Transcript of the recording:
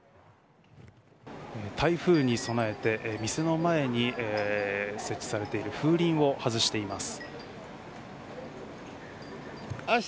台風に備えて店の前に設置されている風鈴を外しています。